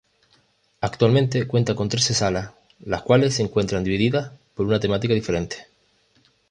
Actualmente cuenta con trece salas, las cuales se encuentran divididas por una temática diferente.